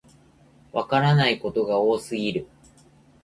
わからないことが多すぎる